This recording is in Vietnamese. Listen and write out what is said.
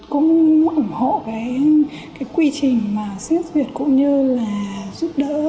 cũng ủng hộ cái quy trình mà xét duyệt cũng như là giúp đỡ